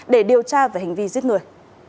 để điều tra về hành vi giết người